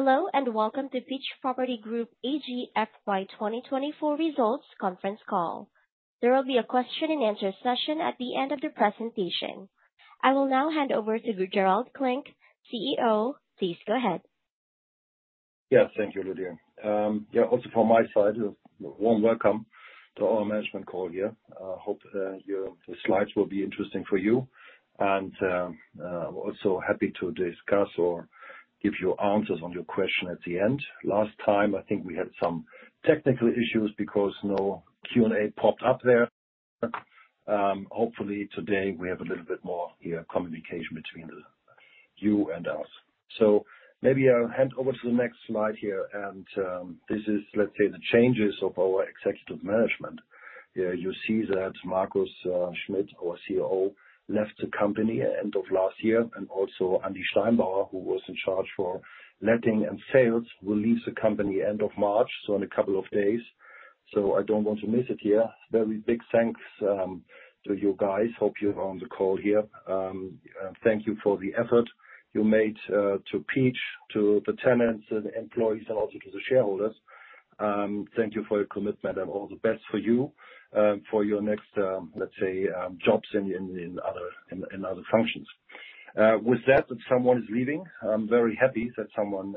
Hello and welcome to Peach Property Group AG FY 2024 results conference call. There will be a question-and-answer session at the end of the presentation. I will now hand over to Gerald Klinck, CEO. Please go ahead. Yes, thank you, Lydia. Yeah, also from my side, a warm welcome to our management call here. I hope the slides will be interesting for you. I am also happy to discuss or give you answers on your question at the end. Last time, I think we had some technical issues because no Q&A popped up there. Hopefully, today we have a little bit more communication between you and us. Maybe I'll hand over to the next slide here. This is, let's say, the changes of our executive management. You see that Marcus Schmitt, our COO, left the company at the end of last year. Also, Andy Steinbauer, who was in charge for letting and sales, will leave the company at the end of March, so in a couple of days. I do not want to miss it here. Very big thanks to you guys. Hope you're on the call here. Thank you for the effort you made to Peach, to the tenants, and employees, and also to the shareholders. Thank you for your commitment and all the best for you for your next, let's say, jobs in other functions. With that, someone is leaving. I am very happy that someone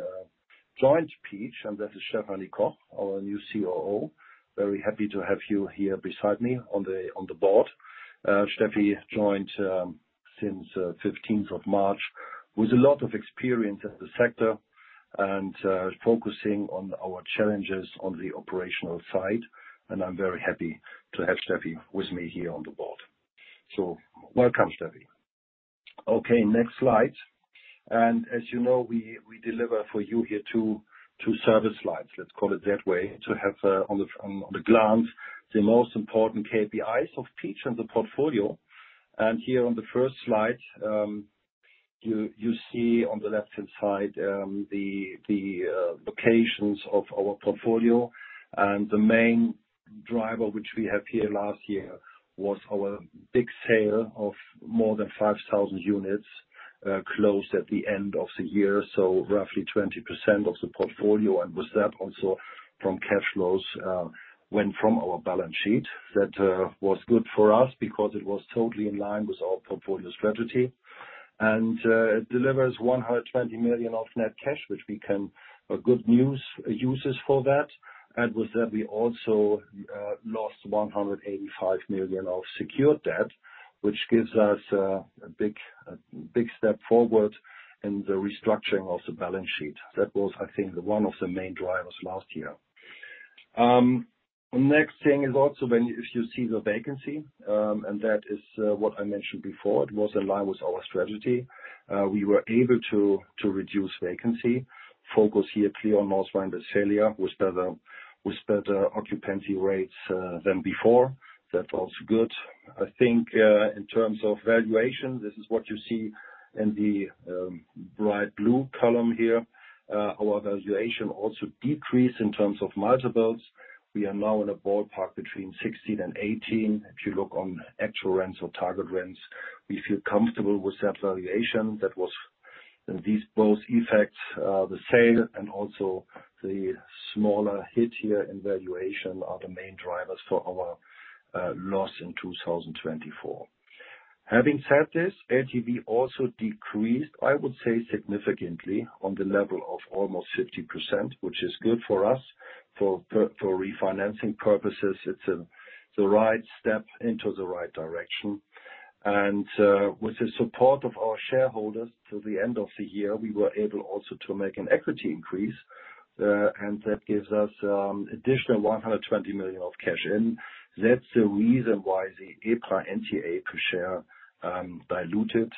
joined Peach, and that is Stefanie Koch, our new COO. Very happy to have you here beside me on the board. Stefanie joined since the 15th of March with a lot of experience in the sector and focusing on our challenges on the operational side. I am very happy to have Stefanie with me here on the board. Welcome, Stefanie. Okay, next slide. As you know, we deliver for you here two service slides, let's call it that way, to have on a glance the most important KPIs of Peach and the portfolio. Here on the first slide, you see on the left-hand side the locations of our portfolio. The main driver which we had here last year was our big sale of more than 5,000 units closed at the end of the year, so roughly 20% of the portfolio. With that, also from cash flows went from our balance sheet. That was good for us because it was totally in line with our portfolio strategy. It delivers 120 million of net cash, which we can use for that. With that, we also lost 185 million of secured debt, which gives us a big step forward in the restructuring of the balance sheet. That was, I think, one of the main drivers last year. Next thing is also if you see the vacancy, and that is what I mentioned before, it was in line with our strategy. We were able to reduce vacancy. Focus here clear on North Rhine-Westphalia with better occupancy rates than before. That's also good. I think in terms of valuation, this is what you see in the bright blue column here. Our valuation also decreased in terms of multiples. We are now in a ballpark between 16-18. If you look on actual rents or target rents, we feel comfortable with that valuation. That was these both effects, the sale and also the smaller hit here in valuation are the main drivers for our loss in 2024. Having said this, LTV also decreased, I would say, significantly on the level of almost 50%, which is good for us. For refinancing purposes, it's the right step into the right direction. With the support of our shareholders to the end of the year, we were able also to make an equity increase. That gives us additional 120 million of cash in. That is the reason why the EPRA NTA per share diluted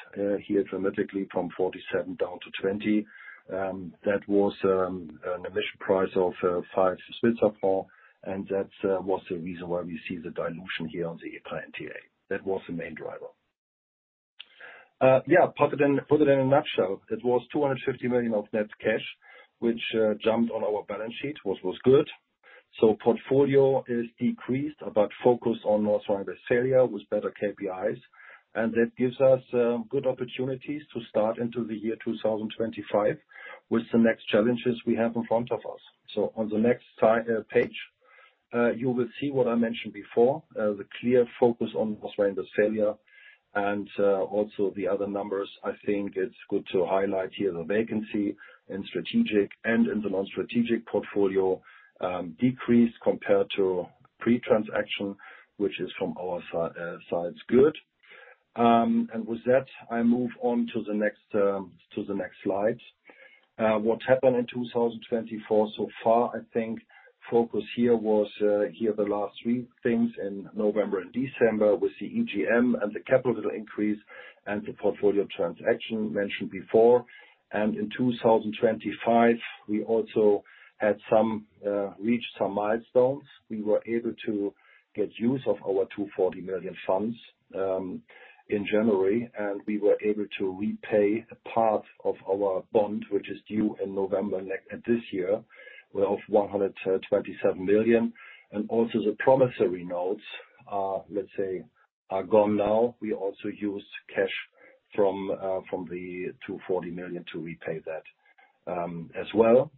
here dramatically from 47 down to 20. That was an emission price of 5. Switzerland. That is the reason why we see the dilution here on the EPRA NTA. That was the main driver. Yeah, put it in a nutshell. It was 250 million of net cash, which jumped on our balance sheet, which was good. Portfolio is decreased, but focused on North Rhine-Westphalia with better KPIs. That gives us good opportunities to start into the year 2025 with the next challenges we have in front of us. On the next page, you will see what I mentioned before, the clear focus on North Rhine-Westphalia and also the other numbers. I think it's good to highlight here the vacancy in strategic and in the non-strategic portfolio decreased compared to pre-transaction, which is from our side, good. With that, I move on to the next slide. What happened in 2024 so far, I think focus here was here the last three things in November and December with the EGM and the capital increase and the portfolio transaction mentioned before. In 2025, we also had some reached some milestones. We were able to get use of our 240 million funds in January, and we were able to repay part of our bond, which is due in November this year, of 127 million. Also the promissory notes, let's say, are gone now. We also used cash from the 240 million to repay that as well.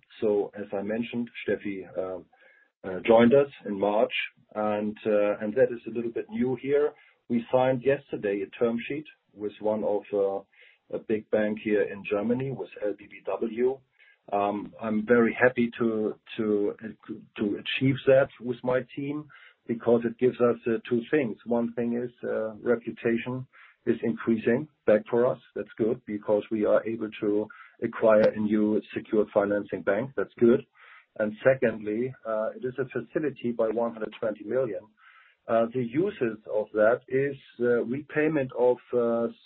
As I mentioned, Stefanie joined us in March, and that is a little bit new here. We signed yesterday a term sheet with one of the big banks here in Germany with LBBW. I'm very happy to achieve that with my team because it gives us two things. One thing is reputation is increasing back for us. That's good because we are able to acquire a new secured financing bank. That's good. Secondly, it is a facility by 120 million. The uses of that is repayment of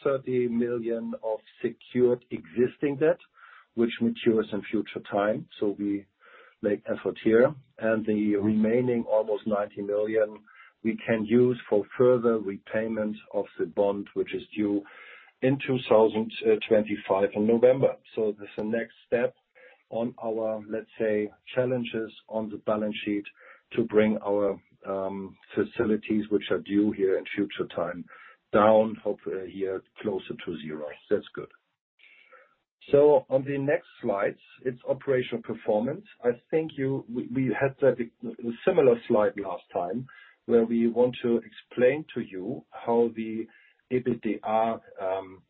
30 million of secured existing debt, which matures in future time. We make effort here. The remaining almost 90 million, we can use for further repayment of the bond, which is due in 2025 in November. This is the next step on our, let's say, challenges on the balance sheet to bring our facilities, which are due here in future time, down here closer to zero. That's good. On the next slides, it's operational performance. I think we had a similar slide last time where we want to explain to you how the EBITDA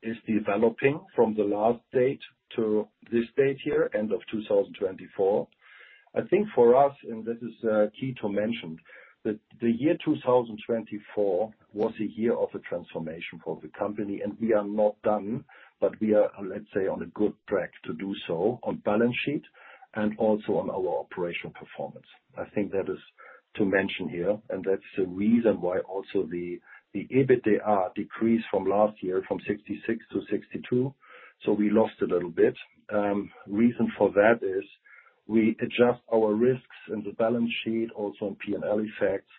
is developing from the last date to this date here, end of 2024. I think for us, and this is key to mention, that the year 2024 was a year of a transformation for the company. We are not done, but we are, let's say, on a good track to do so on balance sheet and also on our operational performance. I think that is to mention here. That's the reason why also the EBITDA decreased from last year from 66 to 62. We lost a little bit. The reason for that is we adjust our risks in the balance sheet, also in P&L effects,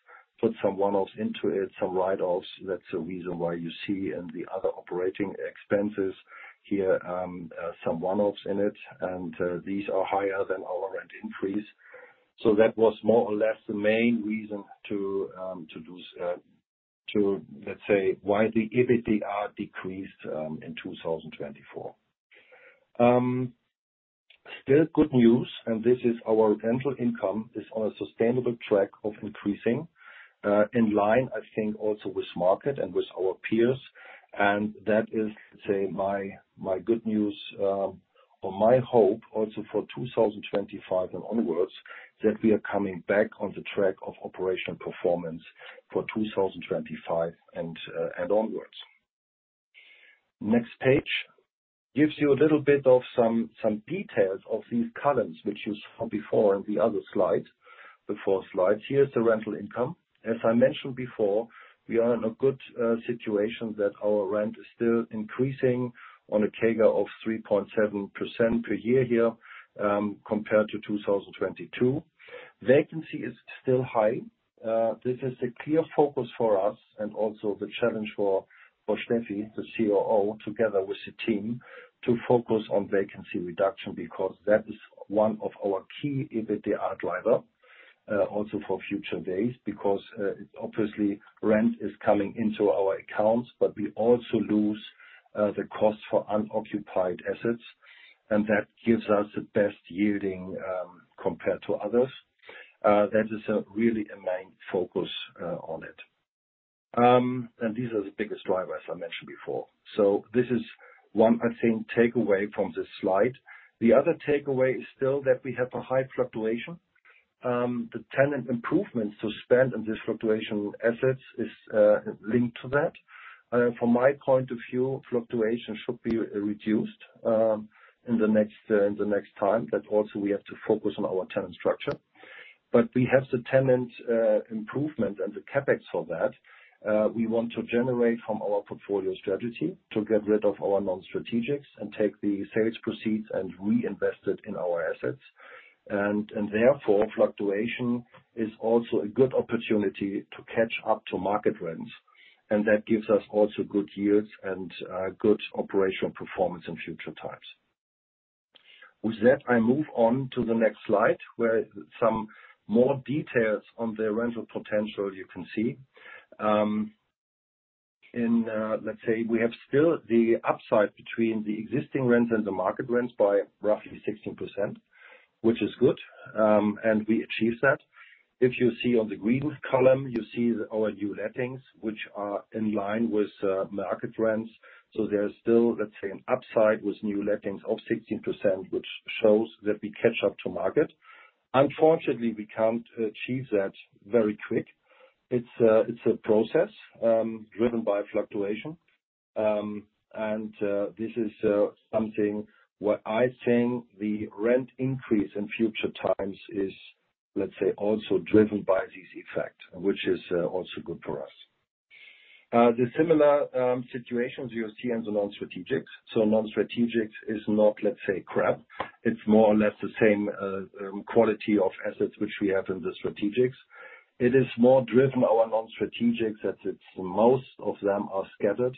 put some one-offs into it, some write-offs. That is the reason why you see in the other operating expenses here some one-offs in it. These are higher than our rent increase. That was more or less the main reason to do, let's say, why the EBITDA decreased in 2024. Still good news, and this is our rental income is on a sustainable track of increasing in line, I think, also with market and with our peers. That is, let's say, my good news or my hope also for 2025 and onwards that we are coming back on the track of operational performance for 2025 and onwards. Next page gives you a little bit of some details of these columns which you saw before in the other slide. Before slides, here's the rental income. As I mentioned before, we are in a good situation that our rent is still increasing on a CAGR of 3.7% per year here compared to 2022. Vacancy is still high. This is the clear focus for us and also the challenge for Stefanie, the COO, together with the team to focus on vacancy reduction because that is one of our key EBITDA drivers also for future days because obviously rent is coming into our accounts, but we also lose the cost for unoccupied assets. That gives us the best yielding compared to others. That is really a main focus on it. These are the biggest drivers, as I mentioned before. This is one, I think, takeaway from this slide. The other takeaway is still that we have a high fluctuation. The tenant improvements to spend on this fluctuation assets is linked to that. From my point of view, fluctuation should be reduced in the next time. That also we have to focus on our tenant structure. We have the tenant improvement and the CapEx for that. We want to generate from our portfolio strategy to get rid of our non-strategics and take the sales proceeds and reinvest it in our assets. Therefore, fluctuation is also a good opportunity to catch up to market rents. That gives us also good yields and good operational performance in future times. With that, I move on to the next slide where some more details on the rental potential you can see. Let's say we have still the upside between the existing rents and the market rents by roughly 16%, which is good. We achieve that. If you see on the green column, you see our new lettings, which are in line with market rents. There is still, let's say, an upside with new lettings of 16%, which shows that we catch up to market. Unfortunately, we can't achieve that very quick. It's a process driven by fluctuation. This is something where I think the rent increase in future times is, let's say, also driven by this effect, which is also good for us. The similar situations you see in the non-strategics. Non-strategics is not, let's say, crap. It's more or less the same quality of assets which we have in the strategics. It is more driven in our non-strategics that most of them are scattered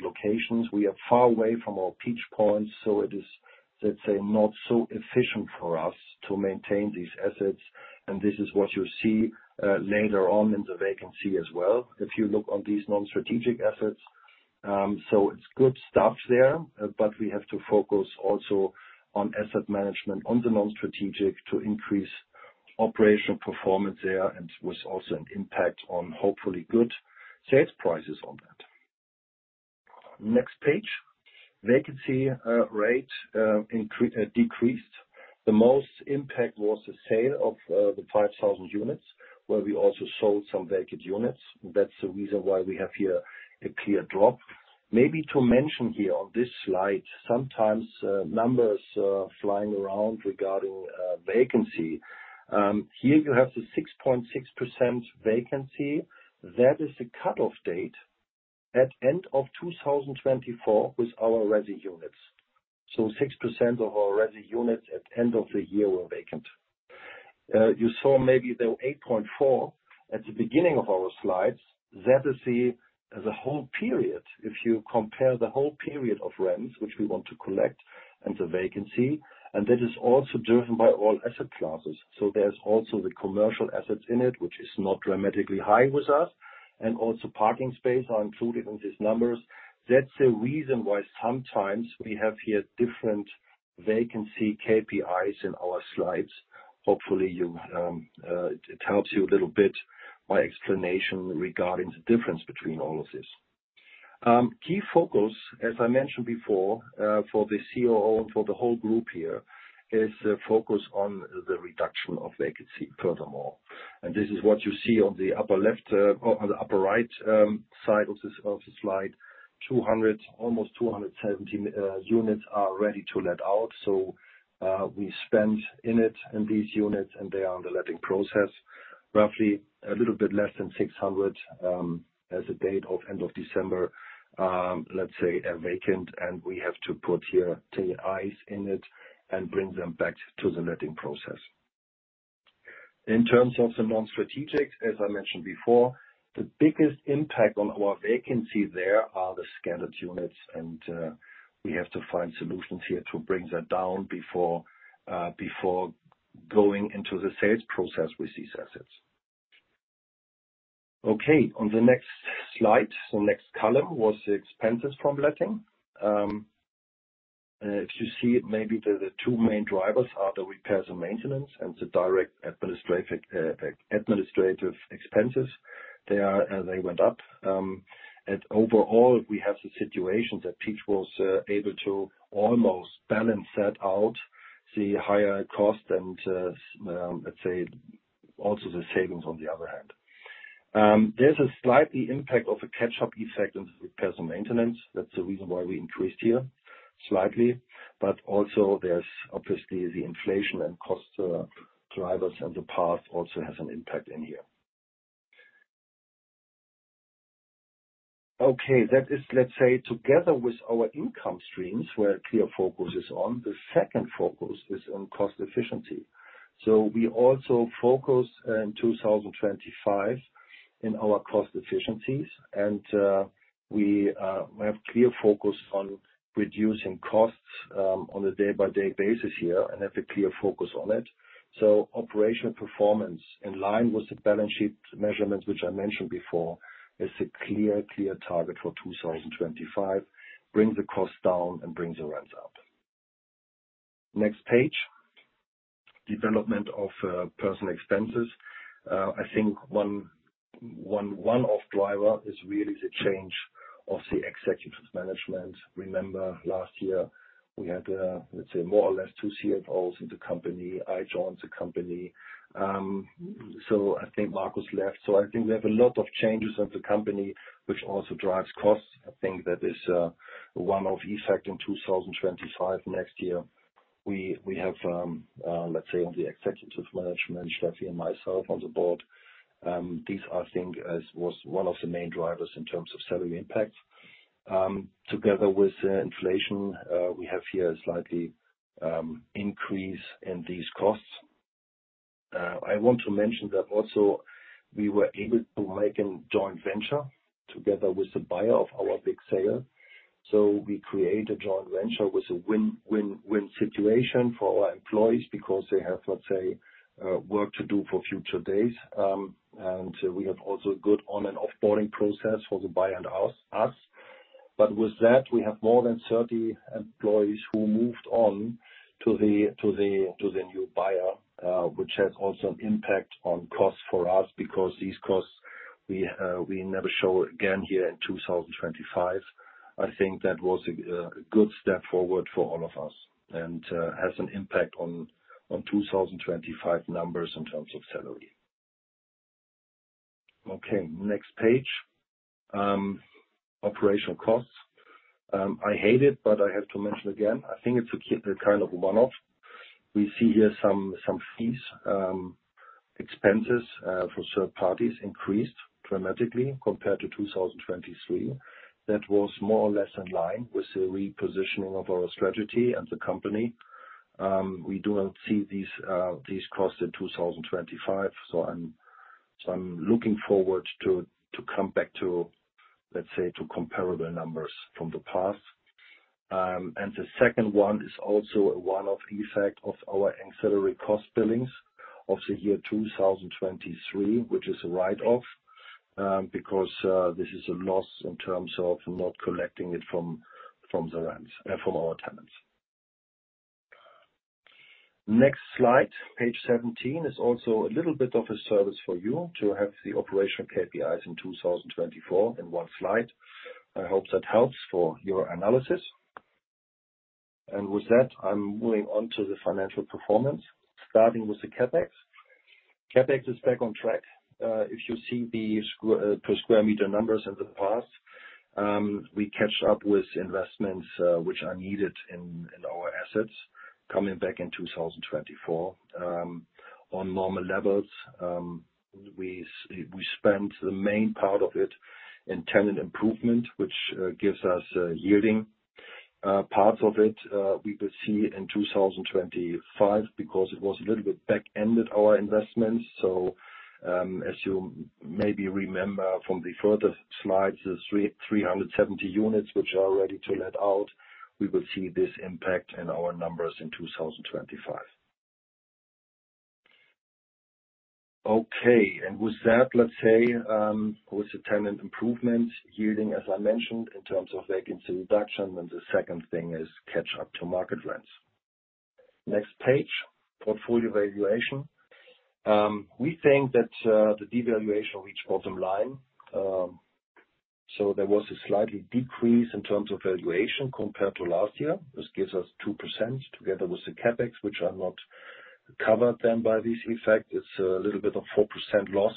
locations. We are far away from our Peach Points. It is, let's say, not so efficient for us to maintain these assets. This is what you see later on in the vacancy as well. If you look on these non-strategic assets, it is good stuff there, but we have to focus also on asset management on the non-strategic to increase operational performance there and with also an impact on hopefully good sales prices on that. Next page. Vacancy rate decreased. The most impact was the sale of the 5,000 units where we also sold some vacant units. That is the reason why we have here a clear drop. Maybe to mention here on this slide, sometimes numbers flying around regarding vacancy. Here you have the 6.6% vacancy. That is the cutoff date at end of 2024 with our ready units. 6% of our ready units at end of the year were vacant. You saw maybe the 8.4 at the beginning of our slides. That is the whole period. If you compare the whole period of rents, which we want to collect, and the vacancy, and that is also driven by all asset classes. There is also the commercial assets in it, which is not dramatically high with us. Also parking space are included in these numbers. That is the reason why sometimes we have here different vacancy KPIs in our slides. Hopefully, it helps you a little bit by explanation regarding the difference between all of this. Key focus, as I mentioned before, for the COO and for the whole group here is the focus on the reduction of vacancy furthermore. This is what you see on the upper left or the upper right side of the slide. Almost 270 units are ready to let out. We spend in it in these units, and they are in the letting process. Roughly a little bit less than 600 as a date of end of December, let's say, are vacant. We have to put here eyes in it and bring them back to the letting process. In terms of the non-strategics, as I mentioned before, the biggest impact on our vacancy there are the scattered units. We have to find solutions here to bring that down before going into the sales process with these assets. Okay. On the next slide, the next column was the expenses from letting. If you see, maybe the two main drivers are the repairs and maintenance and the direct administrative expenses. They went up. Overall, we have the situation that Peach was able to almost balance that out, the higher cost and, let's say, also the savings on the other hand. There is a slight impact of a catch-up effect in the repairs and maintenance. That is the reason why we increased here slightly. Also, there is obviously the inflation and cost drivers in the past also has an impact in here. Okay. That is, let's say, together with our income streams where clear focus is on, the second focus is in cost efficiency. We also focused in 2025 in our cost efficiencies. We have clear focus on reducing costs on a day-by-day basis here and have a clear focus on it. Operational performance in line with the balance sheet measurement, which I mentioned before, is a clear, clear target for 2025, brings the cost down and brings the rents up. Next page. Development of personnel expenses. I think one of the drivers is really the change of the executive management. Remember last year, we had, let's say, more or less two CFOs in the company. I joined the company. I think Markus left. I think we have a lot of changes at the company, which also drives costs. I think that is one of the effects in 2025 next year. We have, let's say, on the executive management, Stefanie and myself on the board. These are, I think, as was one of the main drivers in terms of salary impacts. Together with inflation, we have here a slight increase in these costs. I want to mention that also we were able to make a joint venture together with the buyer of our big sale. We created a joint venture with a win-win-win situation for our employees because they have, let's say, work to do for future days. We have also a good on-and-off boarding process for the buyer and us. With that, we have more than 30 employees who moved on to the new buyer, which has also an impact on costs for us because these costs we never show again here in 2025. I think that was a good step forward for all of us and has an impact on 2025 numbers in terms of salary. Okay. Next page. Operational costs. I hate it, but I have to mention again. I think it's a kind of one-off. We see here some fees, expenses for third parties increased dramatically compared to 2023. That was more or less in line with the repositioning of our strategy and the company. We do not see these costs in 2025. I am looking forward to come back to, let's say, to comparable numbers from the past. The second one is also a one-off effect of our ancillary cost billings of the year 2023, which is a write-off because this is a loss in terms of not collecting it from our tenants. Next slide. Page 17 is also a little bit of a service for you to have the operational KPIs in 2024 in one slide. I hope that helps for your analysis. With that, I am moving on to the financial performance, starting with the CapEx. CapEx is back on track. If you see the per sq m numbers in the past, we catch up with investments which are needed in our assets coming back in 2024 on normal levels. We spent the main part of it in tenant improvement, which gives us yielding. Parts of it we will see in 2025 because it was a little bit back-ended our investments. As you maybe remember from the further slides, the 370 units which are ready to let out, we will see this impact in our numbers in 2025. Okay. With that, let's say, with the tenant improvements, yielding, as I mentioned, in terms of vacancy reduction, the second thing is catch-up to market rents. Next page. Portfolio valuation. We think that the devaluation reached bottom line. There was a slight decrease in terms of valuation compared to last year. This gives us 2% together with the CapEx, which are not covered then by this effect. It's a little bit of 4% loss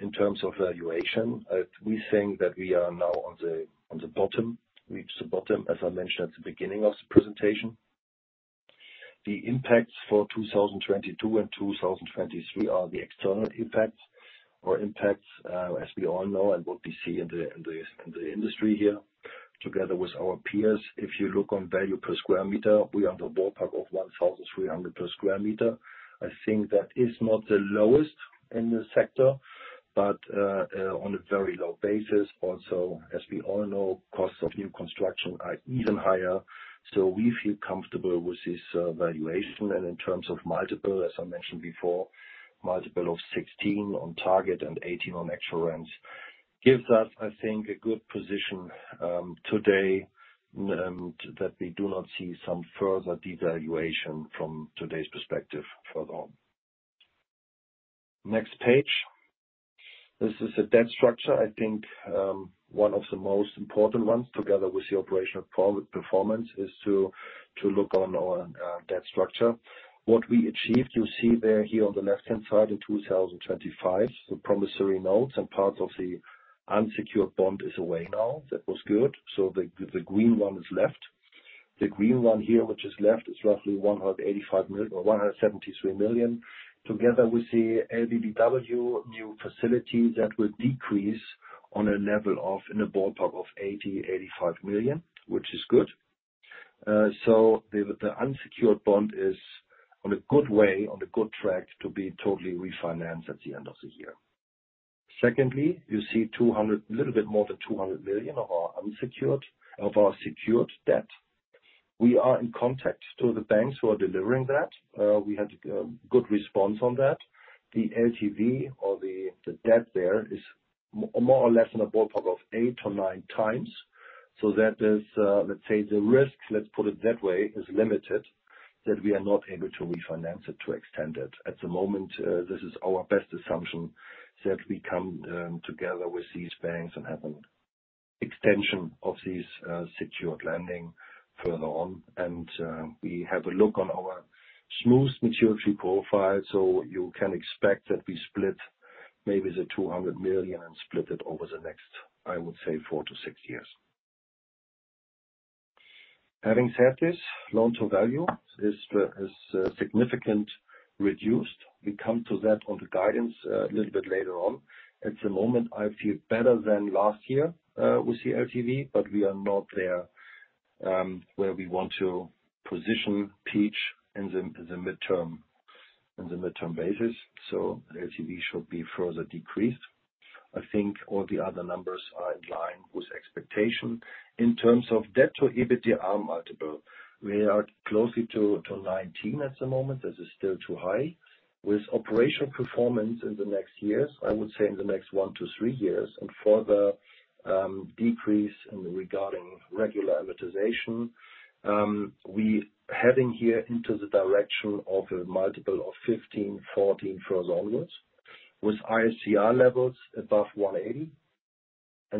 in terms of valuation. We think that we are now on the bottom, reached the bottom, as I mentioned at the beginning of the presentation. The impacts for 2022 and 2023 are the external impacts or impacts, as we all know and what we see in the industry here, together with our peers. If you look on value per sq m, we are in the ballpark of 1,300 per sq m. I think that is not the lowest in the sector, but on a very low basis. Also, as we all know, costs of new construction are even higher. We feel comfortable with this valuation. In terms of multiple, as I mentioned before, multiple of 16 on target and 18 on actual rents gives us, I think, a good position today that we do not see some further devaluation from today's perspective further on. Next page. This is a debt structure. I think one of the most important ones, together with the operational performance, is to look on our debt structure. What we achieved, you see there here on the left-hand side in 2025, the promissory notes and parts of the unsecured bond is away now. That was good. The green one is left. The green one here, which is left, is roughly 173 million. Together with the LBBW new facilities, that will decrease on a level of in the ballpark of 80 million-85 million, which is good. The unsecured bond is on a good way, on a good track to be totally refinanced at the end of the year. Secondly, you see a little bit more than 200 million of our secured debt. We are in contact to the banks who are delivering that. We had a good response on that. The LTV or the debt there is more or less in the ballpark of 8-9 times. That is, let's say, the risk, let's put it that way, is limited that we are not able to refinance it to extend it. At the moment, this is our best assumption that we come together with these banks and have an extension of these secured lending further on. We have a look on our smooth maturity profile. You can expect that we split maybe the 200 million and split it over the next, I would say, four to six years. Having said this, loan-to-value is significantly reduced. We come to that on the guidance a little bit later on. At the moment, I feel better than last year with the LTV, but we are not there where we want to position Peach in the midterm basis. The LTV should be further decreased. I think all the other numbers are in line with expectation. In terms of debt-to-EBITDA multiple, we are closely to 19 at the moment. This is still too high. With operational performance in the next years, I would say in the next one to three years and further decrease regarding regular amortization, we are heading here into the direction of a multiple of 15-14 further onwards with ISCR levels above 180.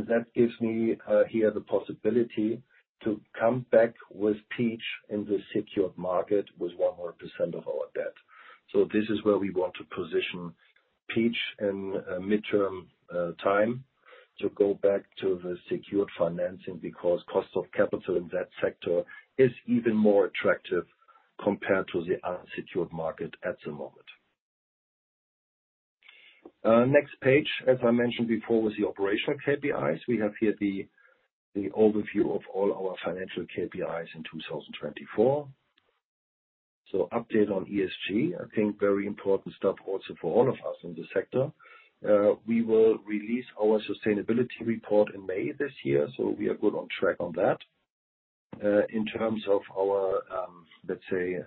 That gives me here the possibility to come back with Peach in the secured market with 100% of our debt. This is where we want to position Peach in midterm time to go back to the secured financing because cost of capital in that sector is even more attractive compared to the unsecured market at the moment. Next page. As I mentioned before with the operational KPIs, we have here the overview of all our financial KPIs in 2024. Update on ESG. I think very important stuff also for all of us in the sector. We will release our sustainability report in May this year. We are good on track on that. In terms of our, let's say,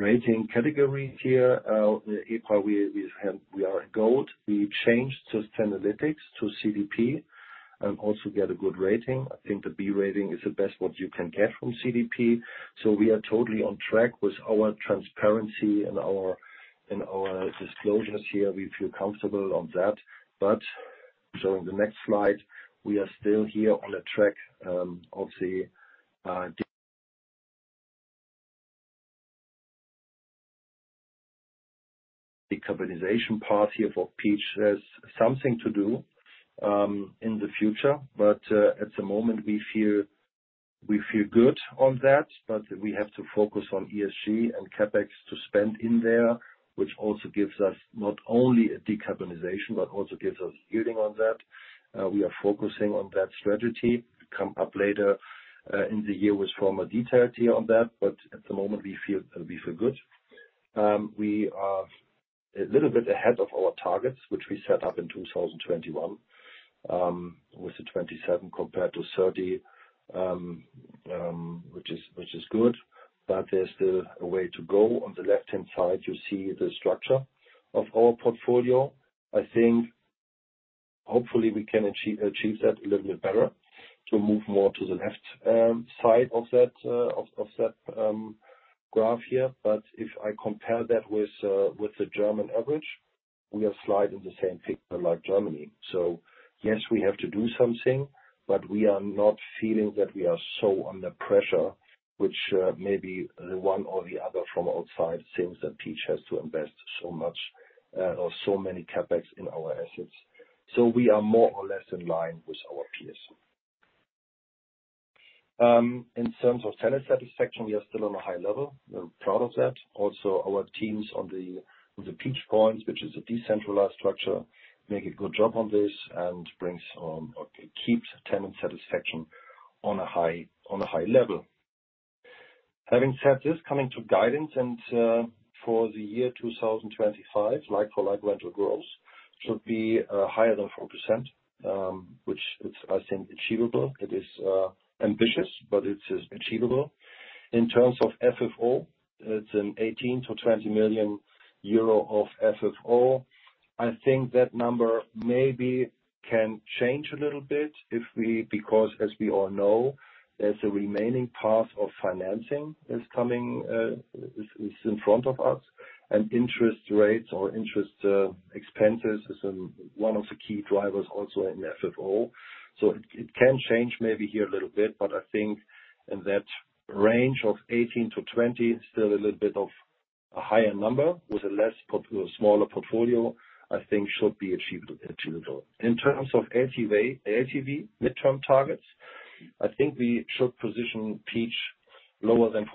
rating category here, we are in gold. We changed Sustainalytics to CDP and also get a good rating. I think the B rating is the best what you can get from CDP. We are totally on track with our transparency and our disclosures here. We feel comfortable on that. Showing the next slide, we are still here on a track of the decarbonization path here for Peach. There is something to do in the future. At the moment, we feel good on that. We have to focus on ESG and CapEx to spend in there, which also gives us not only a decarbonization, but also gives us yielding on that. We are focusing on that strategy. Come up later in the year with formal details here on that. At the moment, we feel good. We are a little bit ahead of our targets, which we set up in 2021 with the 27 compared to 30, which is good. There is still a way to go. On the left-hand side, you see the structure of our portfolio. I think hopefully we can achieve that a little bit better to move more to the left side of that graph here. If I compare that with the German average, we are sliding the same picture like Germany. Yes, we have to do something, but we are not feeling that we are so under pressure, which maybe one or the other from outside thinks that Peach has to invest so much or so many CapEx in our assets. We are more or less in line with our peers. In terms of tenant satisfaction, we are still on a high level. We're proud of that. Also, our teams on the Peach Points, which is a decentralized structure, make a good job on this and keep tenant satisfaction on a high level. Having said this, coming to guidance and for the year 2025, like-for-like rental growth should be higher than 4%, which I think is achievable. It is ambitious, but it is achievable. In terms of FFO, it's an 18 million-20 million euro of FFO. I think that number maybe can change a little bit because, as we all know, there's a remaining path of financing that's in front of us. Interest rates or interest expenses is one of the key drivers also in FFO. It can change maybe here a little bit, but I think in that range of 18-20, still a little bit of a higher number with a smaller portfolio, I think should be achievable. In terms of LTV midterm targets, I think we should position Peach lower than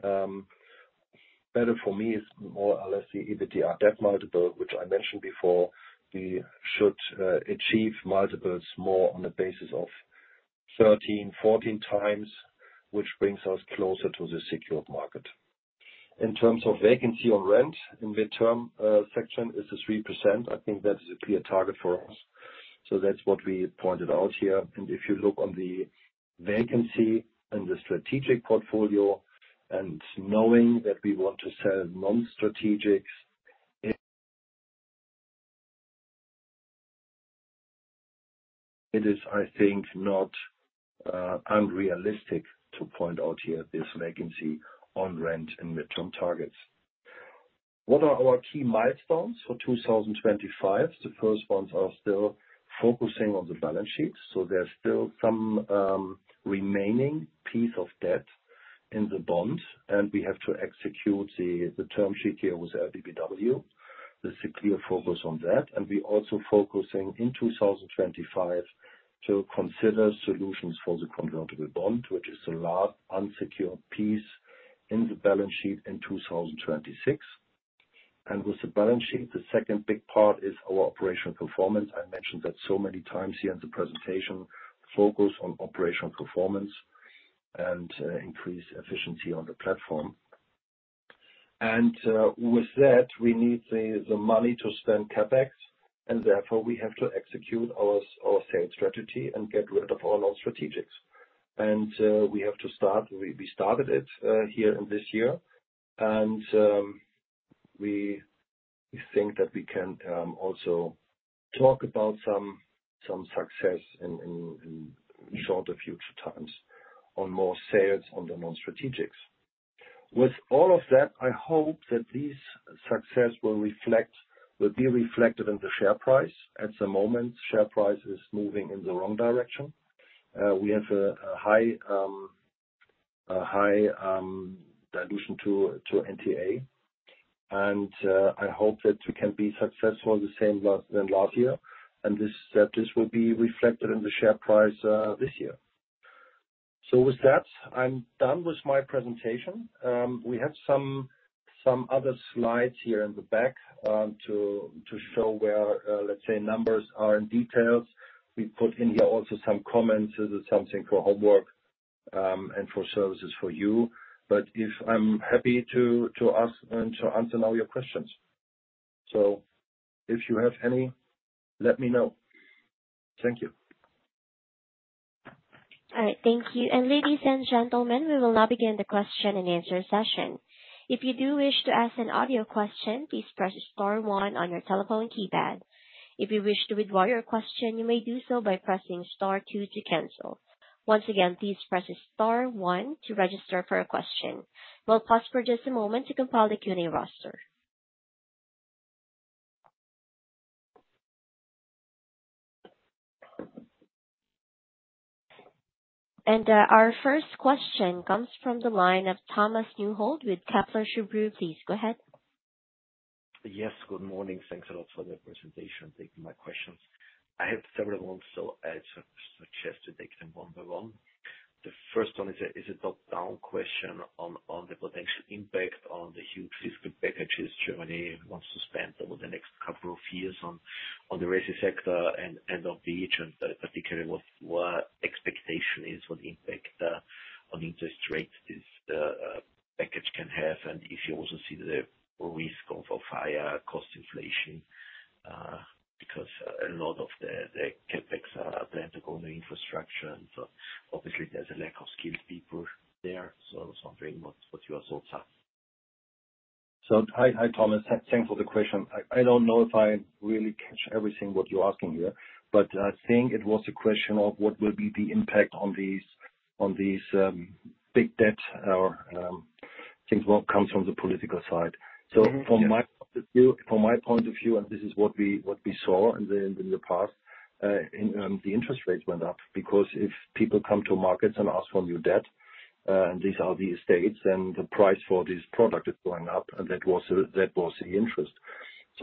45%. Better for me is more or less the EBITDA debt multiple, which I mentioned before. We should achieve multiples more on a basis of 13-14 times, which brings us closer to the secured market. In terms of vacancy on rent in midterm section, it's a 3%. I think that is a clear target for us. That's what we pointed out here. If you look on the vacancy and the strategic portfolio and knowing that we want to sell non-strategics, it is, I think, not unrealistic to point out here this vacancy on rent in midterm targets. What are our key milestones for 2025? The first ones are still focusing on the balance sheets. There's still some remaining piece of debt in the bond, and we have to execute the term sheet here with LBBW. This is a clear focus on that. We're also focusing in 2025 to consider solutions for the convertible bond, which is the last unsecured piece in the balance sheet in 2026. With the balance sheet, the second big part is our operational performance. I mentioned that so many times here in the presentation, focus on operational performance and increase efficiency on the platform. With that, we need the money to spend CapEx, and therefore we have to execute our sales strategy and get rid of our non-strategics. We have to start. We started it here in this year, and we think that we can also talk about some success in shorter future times on more sales on the non-strategics. With all of that, I hope that this success will be reflected in the share price. At the moment, share price is moving in the wrong direction. We have a high dilution to NTA, and I hope that we can be successful the same as last year, and that this will be reflected in the share price this year. With that, I'm done with my presentation. We have some other slides here in the back to show where, let's say, numbers are in details. We put in here also some comments. This is something for homework and for services for you. I am happy to answer now your questions. If you have any, let me know. Thank you. All right. Thank you. Ladies and gentlemen, we will now begin the question and answer session. If you do wish to ask an audio question, please press star one on your telephone keypad. If you wish to withdraw your question, you may do so by pressing star two to cancel. Once again, please press star one to register for a question. We will pause for just a moment to compile the Q&A roster. Our first question comes from the line of Thomas Neuhold with Kepler Cheuvreux, please go ahead. Yes. Good morning. Thanks a lot for the presentation. I am taking my questions. I have several ones, so I suggest to take them one by one. The first one is a top-down question on the potential impact on the huge fiscal packages Germany wants to spend over the next couple of years on the resi sector and on Peach, and particularly what expectation is, what impact on interest rates this package can have, and if you also see the risk of higher cost inflation because a lot of the CapEx are planned to go into infrastructure. Obviously, there's a lack of skilled people there. I was wondering what your thoughts are. Hi, Thomas. Thanks for the question. I don't know if I really catch everything what you're asking here, but I think it was a question of what will be the impact on these big debt things that come from the political side. From my point of view, from my point of view, and this is what we saw in the past, the interest rates went up because if people come to markets and ask for new debt, and these are the estates, then the price for this product is going up, and that was the interest.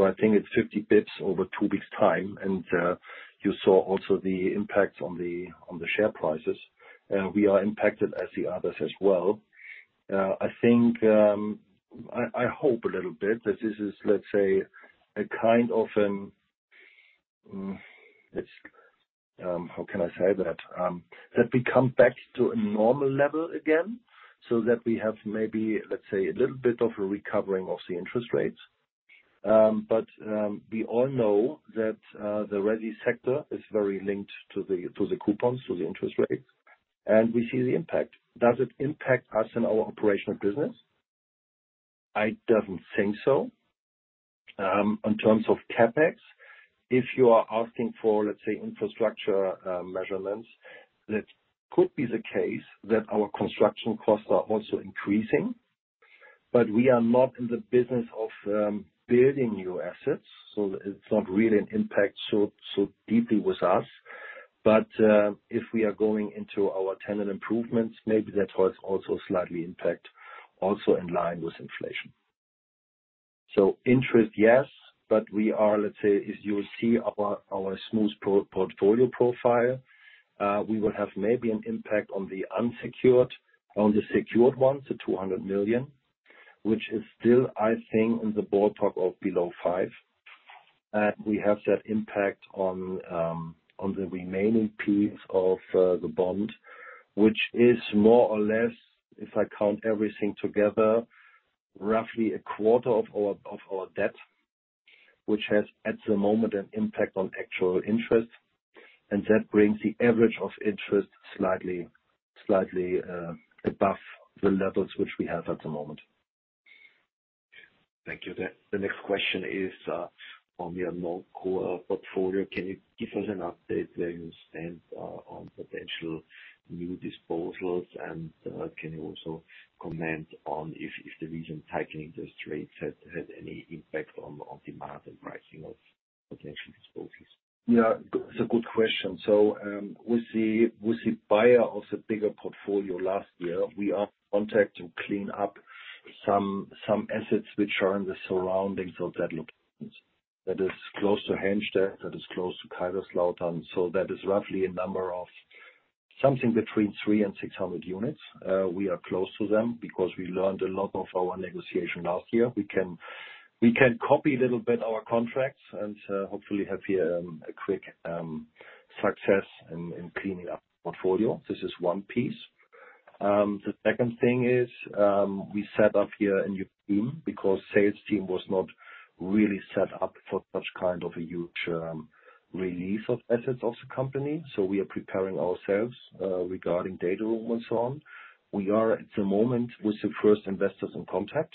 I think it's 50 basis points over two weeks' time, and you saw also the impacts on the share prices. We are impacted as the others as well. I hope a little bit that this is, let's say, a kind of—how can I say that?—that we come back to a normal level again so that we have maybe, let's say, a little bit of a recovering of the interest rates. We all know that the real estate sector is very linked to the coupons, to the interest rates, and we see the impact. Does it impact us in our operational business? I don't think so. In terms of CapEx, if you are asking for, let's say, infrastructure measurements, that could be the case that our construction costs are also increasing. We are not in the business of building new assets, so it's not really an impact so deeply with us. If we are going into our tenant improvements, maybe that has also slightly impact also in line with inflation. Interest, yes, but we are, let's say, as you see our smooth portfolio profile, we will have maybe an impact on the unsecured, on the secured ones, the 200 million, which is still, I think, in the ballpark of below 5%. We have that impact on the remaining piece of the bond, which is more or less, if I count everything together, roughly a quarter of our debt, which has at the moment an impact on actual interest. That brings the average of interest slightly above the levels which we have at the moment. Thank you. The next question is on your non-core portfolio. Can you give us an update where you stand on potential new disposals, and can you also comment on if the recent tightening of the rates had any impact on demand and pricing of potential disposals? Yeah, it's a good question. With the buyer of the bigger portfolio last year, we are contacting to clean up some assets which are in the surroundings of that location. That is close to Helmstedt, that is close to Kaiserslautern. That is roughly a number of something between 300 and 600 units. We are close to them because we learned a lot from our negotiation last year. We can copy a little bit our contracts and hopefully have here a quick success in cleaning up the portfolio. This is one piece. The second thing is we set up here a new team because the sales team was not really set up for such kind of a huge release of assets of the company. We are preparing ourselves regarding data room and so on. We are, at the moment, with the first investors in contact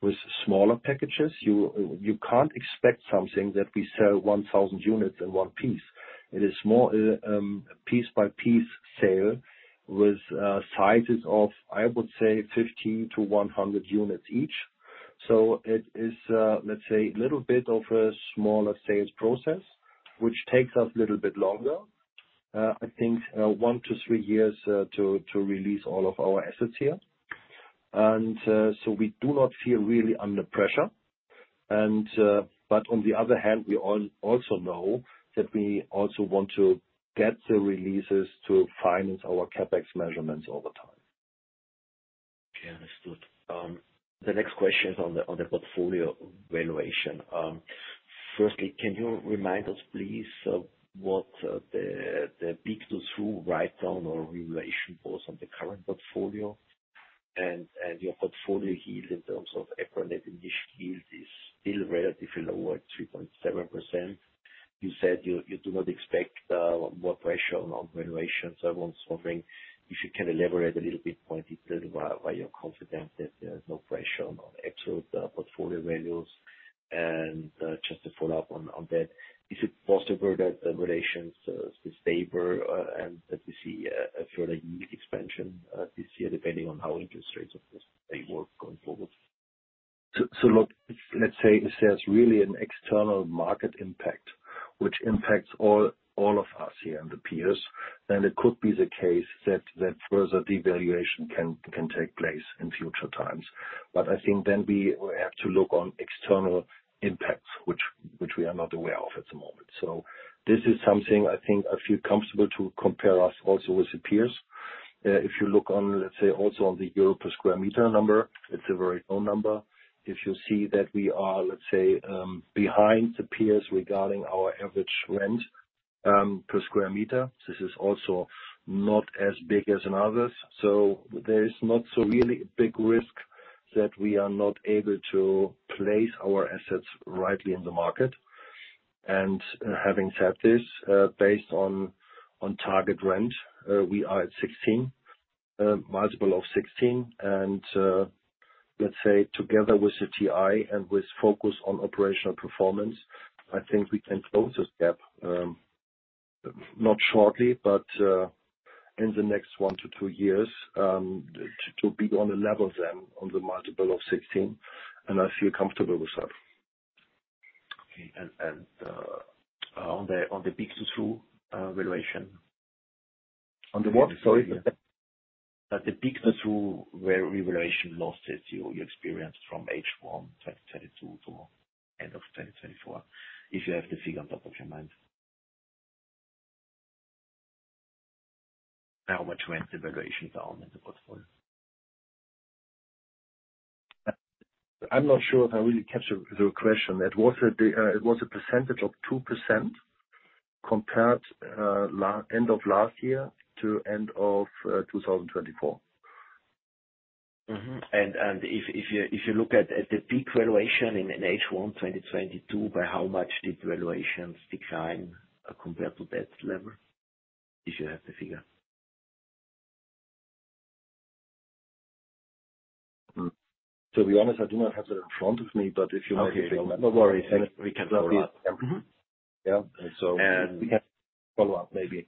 with smaller packages. You can't expect something that we sell 1,000 units in one piece. It is more a piece-by-piece sale with sizes of, I would say, 50 to 100 units each. It is, let's say, a little bit of a smaller sales process, which takes us a little bit longer, I think, one to three years to release all of our assets here. We do not feel really under pressure. On the other hand, we also know that we also want to get the releases to finance our CapEx measurements over time. Yeah, understood. The next question is on the portfolio valuation. Firstly, can you remind us, please, what the peak-to-trough write-down or revaluation was on the current portfolio? Your portfolio yield in terms of acronym initial yield is still relatively low at 3.7%. You said you do not expect more pressure on valuation. I was wondering if you can elaborate a little bit more in detail why you're confident that there is no pressure on absolute portfolio values. Just to follow up on that, is it possible that the relations stay stable and that we see a further yield expansion this year depending on how interest rates, if they work going forward? Look, let's say if there's really an external market impact, which impacts all of us here and the peers, then it could be the case that further devaluation can take place in future times. I think then we have to look on external impacts, which we are not aware of at the moment. This is something I think I feel comfortable to compare us also with the peers. If you look on, let's say, also on the EUR per sq m number, it's a very low number. If you see that we are, let's say, behind the peers regarding our average rent per sq m, this is also not as big as in others. There is not really a big risk that we are not able to place our assets rightly in the market. Having said this, based on target rent, we are at 16, multiple of 16. Let's say together with the TI and with focus on operational performance, I think we can close this gap not shortly, but in the next one to two years to be on a level then on the multiple of 16. I feel comfortable with that. Okay. On the peak-to-through valuation? On the what? Sorry. At the peak-to-through revaluation losses you experienced from H1 2022 to end of 2024, if you have the figure on top of your mind? How much went the valuation down in the portfolio? I'm not sure if I really captured your question. It was a percentage of 2% compared end of last year to end of 2024. If you look at the peak valuation in H1 2022, by how much did valuations decline compared to that level? If you have the figure. To be honest, I do not have that in front of me, but if you want to bring that up. No worries. We can follow up. Yeah. We can follow up maybe.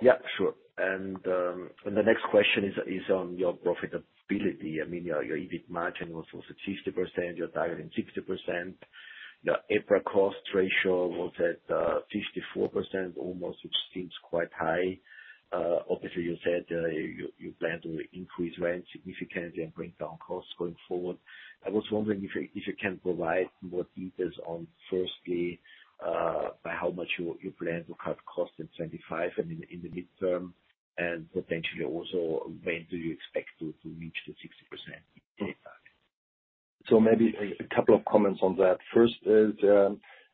Yeah, sure. The next question is on your profitability. I mean, your EBIT margin was 60%. You're targeting 60%. Your EPRA cost ratio was at 54%, almost, which seems quite high. Obviously, you said you plan to increase rent significantly and bring down costs going forward. I was wondering if you can provide more details on, firstly, by how much you plan to cut costs in 2025 and in the midterm, and potentially also when do you expect to reach the 60% target? Maybe a couple of comments on that. First is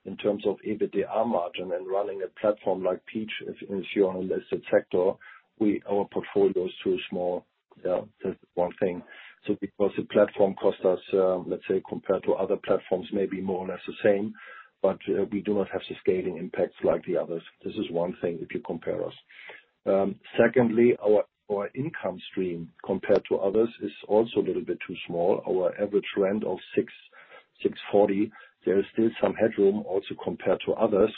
in terms of EBITDA margin and running a platform like Peach, if you're in a listed sector, our portfolio is too small. That's one thing. Because the platform costs us, let's say, compared to other platforms, maybe more or less the same, but we do not have the scaling impacts like the others. This is one thing if you compare us. Secondly, our income stream compared to others is also a little bit too small. Our average rent of 640, there is still some headroom also compared to others.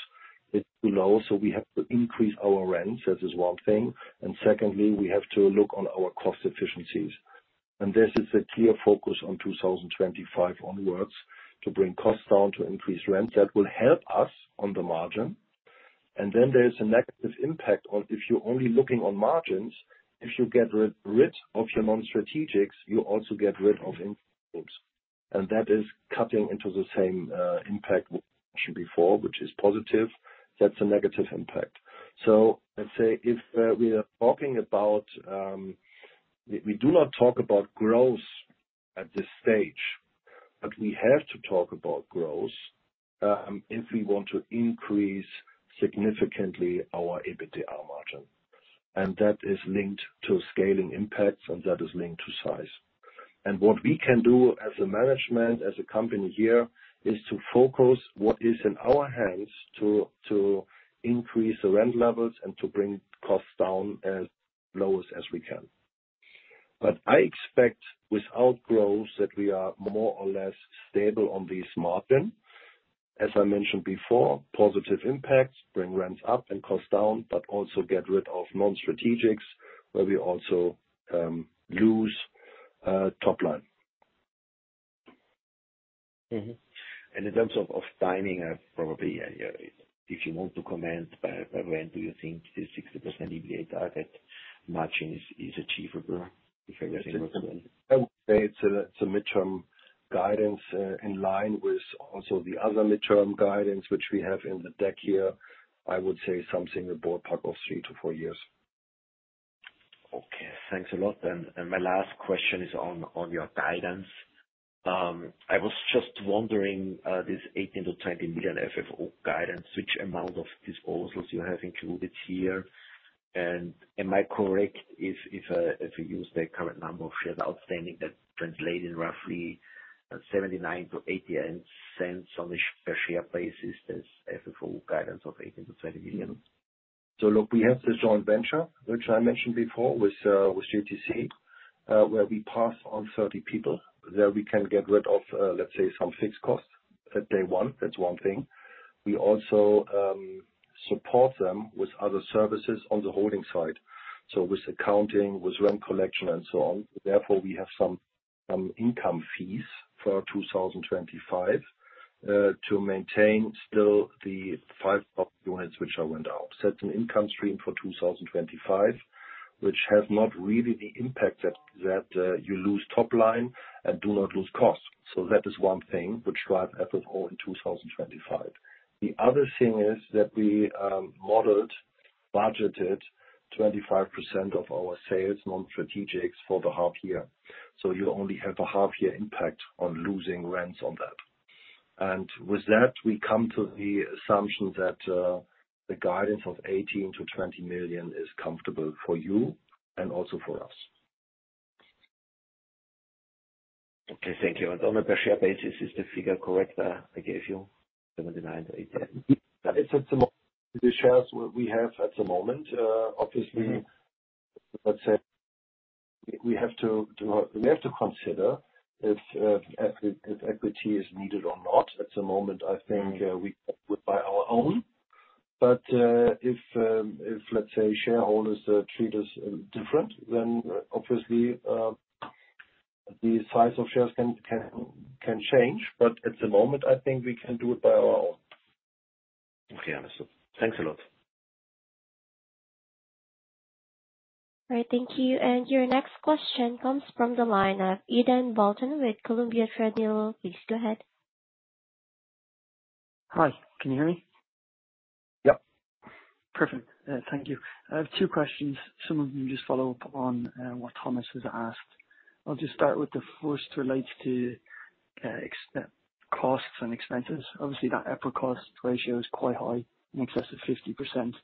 It's too low, so we have to increase our rent. That is one thing. Secondly, we have to look on our cost efficiencies. This is a clear focus on 2025 onwards to bring costs down to increase rent. That will help us on the margin. There is a negative impact on if you're only looking on margins, if you get rid of your non-strategics, you also get rid of income. That is cutting into the same impact we mentioned before, which is positive. That is a negative impact. Let's say if we are talking about we do not talk about growth at this stage, but we have to talk about growth if we want to increase significantly our EBITDA margin. That is linked to scaling impacts, and that is linked to size. What we can do as a management, as a company here, is to focus what is in our hands to increase the rent levels and to bring costs down as low as we can. I expect without growth that we are more or less stable on this margin. As I mentioned before, positive impacts bring rents up and costs down, but also get rid of non-strategics where we also lose top line. In terms of timing, probably, if you want to comment, by when do you think this 60% EBITDA target margin is achievable? If everything looks good. I would say it is a midterm guidance in line with also the other midterm guidance which we have in the deck here. I would say something in the ballpark of three to four years. Okay. Thanks a lot. My last question is on your guidance. I was just wondering, this 18 million-20 million FFO guidance, which amount of disposals you have included here? Am I correct if we use the current number of shares outstanding that translates in roughly 0.79-0.80 on a per-share basis, this FFO guidance of 18 million-20 million? Look, we have this joint venture, which I mentioned before with GTC, where we pass on 30 people. There we can get rid of, let's say, some fixed costs that they want. That's one thing. We also support them with other services on the holding side, so with accounting, with rent collection, and so on. Therefore, we have some income fees for 2025 to maintain still the five units which are went out. That's an income stream for 2025, which has not really the impact that you lose top line and do not lose costs. That is one thing which drives FFO in 2025. The other thing is that we modeled, budgeted 25% of our sales, non-strategics for the half year. You only have a half-year impact on losing rents on that. With that, we come to the assumption that the guidance of 18 million-20 million is comfortable for you and also for us. Okay. Thank you. On a per-share basis, is the figure correct I gave you? 0.79-0.80. That is at the moment. The shares we have at the moment, obviously, let's say we have to consider if equity is needed or not. At the moment, I think we would buy our own. If, let's say, shareholders treat us different, then obviously the size of shares can change. At the moment, I think we can do it by our own. Okay. Understood. Thanks a lot. All right. Thank you. Your next question comes from the line of Aidan Bolton with Columbia Threadneedle. Please go ahead. Hi. Can you hear me? Yep. Perfect. Thank you. I have two questions. Some of them just follow up on what Thomas has asked. I'll just start with the first relates to costs and expenses. Obviously, that EPRA Cost Ratio is quite high, in excess of 50%.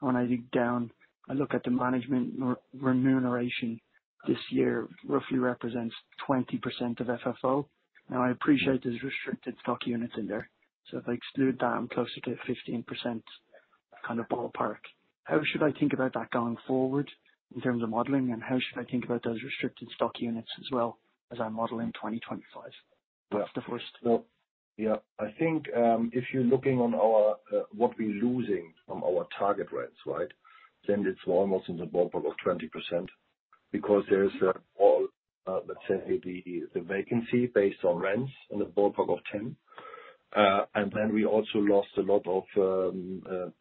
When I dig down, I look at the management remuneration this year roughly represents 20% of FFO. Now, I appreciate there's restricted stock units in there. If I exclude that, I'm closer to 15% kind of ballpark. How should I think about that going forward in terms of modeling? How should I think about those restricted stock units as well as I model in 2025? That's the first. Yeah. I think if you're looking on what we're losing from our target rents, right, then it's almost in the ballpark of 20% because there is, let's say, the vacancy based on rents in the ballpark of 10%. And then we also lost a lot of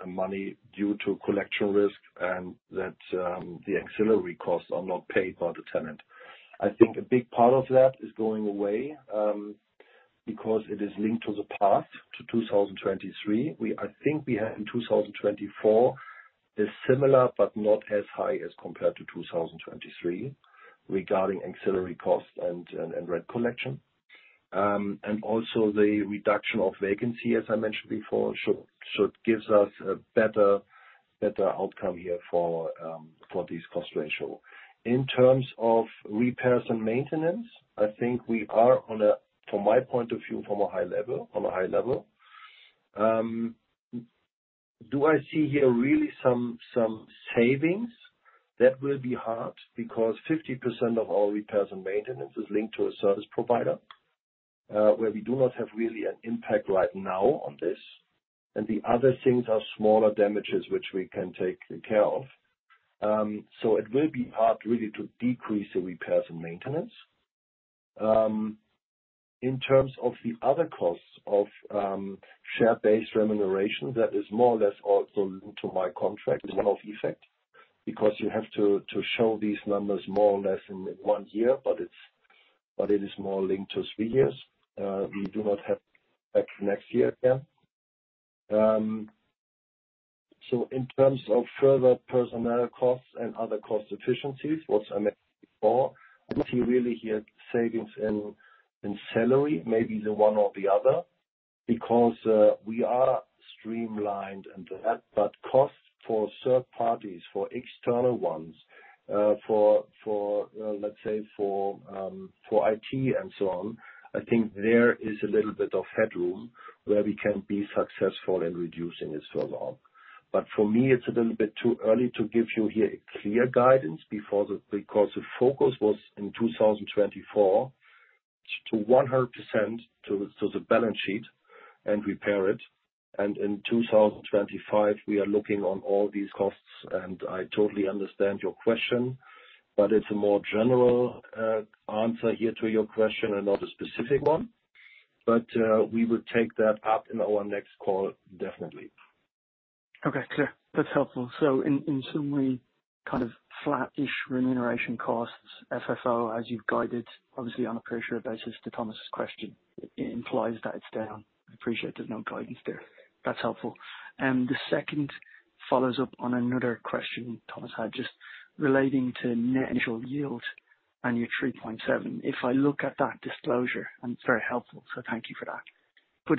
money due to collection risk and that the ancillary costs are not paid by the tenant. I think a big part of that is going away because it is linked to the path to 2023. I think we have in 2024 a similar but not as high as compared to 2023 regarding ancillary costs and rent collection. Also, the reduction of vacancy, as I mentioned before, should give us a better outcome here for these cost ratios. In terms of repairs and maintenance, I think we are on a, from my point of view, from a high level, on a high level. Do I see here really some savings? That will be hard because 50% of our repairs and maintenance is linked to a service provider where we do not have really an impact right now on this. The other things are smaller damages which we can take care of. It will be hard really to decrease the repairs and maintenance. In terms of the other costs of share-based remuneration, that is more or less also linked to my contract, one-off effect, because you have to show these numbers more or less in one year, but it is more linked to three years. We do not have next year again. In terms of further personnel costs and other cost efficiencies, what I mentioned before, I see really here savings in salary, maybe the one or the other, because we are streamlined and that. Costs for third parties, for external ones, for, let's say, for IT and so on, I think there is a little bit of headroom where we can be successful in reducing it further on. For me, it's a little bit too early to give you here a clear guidance because the focus was in 2024 to 100% to the balance sheet and repair it. In 2025, we are looking on all these costs. I totally understand your question, but it's a more general answer here to your question and not a specific one. We will take that up in our next call, definitely. Okay. Clear. That's helpful. In summary, kind of flat-ish remuneration costs, FFO, as you've guided, obviously on a per-share basis, to Thomas's question, it implies that it's down. I appreciate there's no guidance there. That's helpful. The second follows up on another question Thomas had just relating to net initial yield and your 3.7. If I look at that disclosure, and it is very helpful, so thank you for that.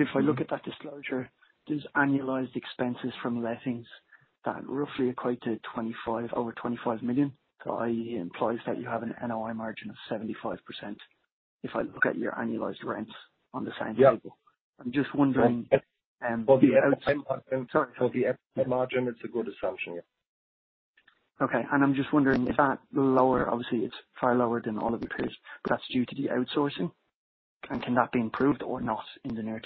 If I look at that disclosure, there are annualized expenses from lettings that roughly equate to over 25 million. It implies that you have an NOI margin of 75% if I look at your annualized rents on the same table. I am just wondering. For the FFO margin, it is a good assumption, yeah. Okay. I am just wondering, is that lower? Obviously, it is far lower than all of your peers, but that is due to the outsourcing. Can that be improved or not in the near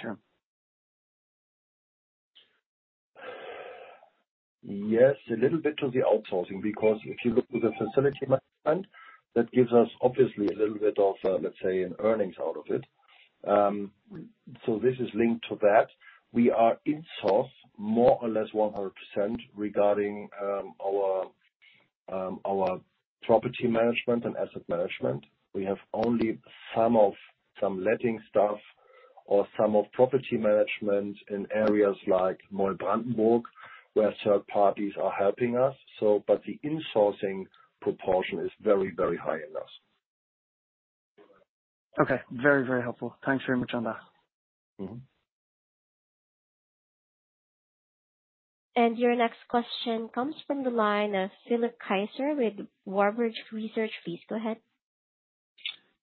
term? Yes, a little bit to the outsourcing because if you look at the facility management, that gives us obviously a little bit of, let's say, an earnings out of it. This is linked to that. We are in-source more or less 100% regarding our property management and asset management. We have only some of some letting stuff or some of property management in areas like Möllen, Brandenburg where third parties are helping us. The in-sourcing proportion is very, very high in us. Okay. Very, very helpful. Thanks very much on that. Your next question comes from the line of Philipp Kaiser with Warburg Research. Please go ahead.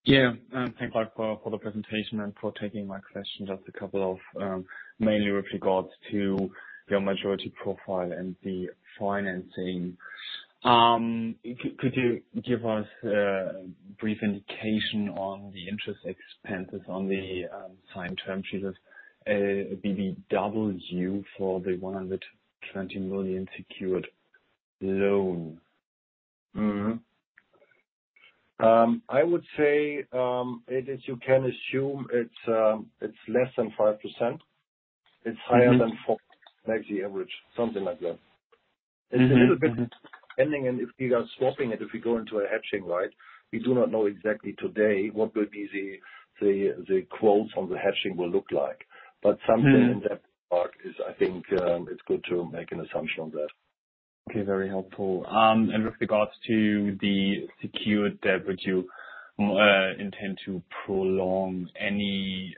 Yeah. Thank you for the presentation and for taking my questions. That's a couple of mainly with regards to your maturity profile and the financing. Could you give us a brief indication on the interest expenses on the signed term sheet of LBBW for the 120 million secured loan? I would say it is, you can assume it's less than 5%. It's higher than 4%, like the average, something like that. It's a little bit depending, and if we are swapping it, if we go into a hedging, right, we do not know exactly today what will be the quotes on the hedging will look like. Something in that ballpark is, I think, it's good to make an assumption on that. Okay. Very helpful. With regards to the secured debt, would you intend to prolong any,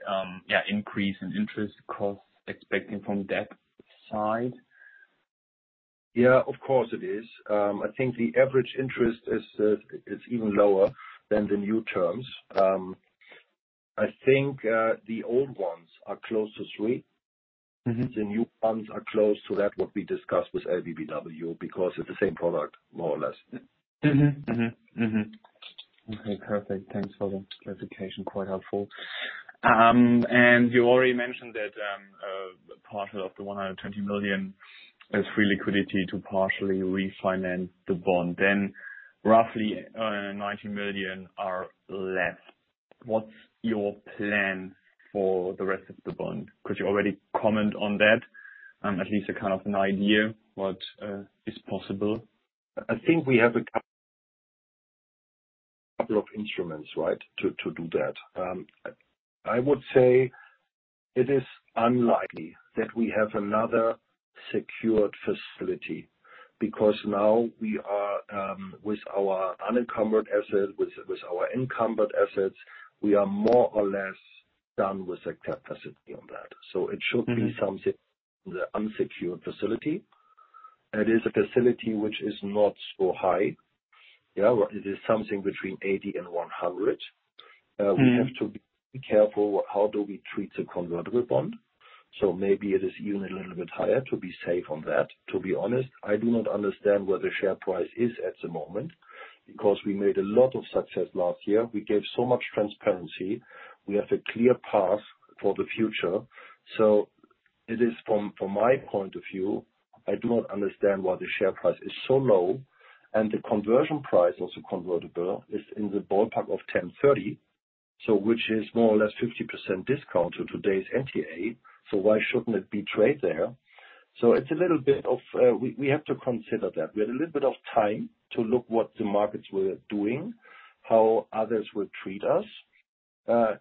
yeah, increase in interest costs expecting from debt side? Yeah, of course it is. I think the average interest is even lower than the new terms. I think the old ones are close to 3%. The new ones are close to that what we discussed with LBBW because it's the same product, more or less. Okay. Perfect. Thanks for the clarification. Quite helpful. You already mentioned that part of the 120 million is free liquidity to partially refinance the bond. Then roughly 90 million are left. What's your plan for the rest of the bond? Could you already comment on that, at least a kind of an idea what is possible? I think we have a couple of instruments, right, to do that. I would say it is unlikely that we have another secured facility because now we are with our unencumbered asset, with our encumbered assets, we are more or less done with the capacity on that. It should be something in the unsecured facility. It is a facility which is not so high. Yeah, it is something between 80 million-100 million. We have to be careful how we treat the convertible bond. Maybe it is even a little bit higher to be safe on that. To be honest, I do not understand where the share price is at the moment because we made a lot of success last year. We gave so much transparency. We have a clear path for the future. From my point of view, I do not understand why the share price is so low. The conversion price of the convertible is in the ballpark of 1,030, which is more or less a 50% discount to today's EPRA NTA. Why should it not trade there? It is a little bit of we have to consider that. We have a little bit of time to look at what the markets are doing, how others will treat us.